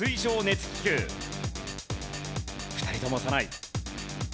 ２人とも押さない。